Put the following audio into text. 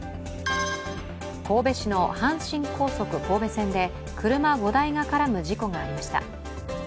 神戸市の阪神高速神戸線で車５台が絡む事故がありました。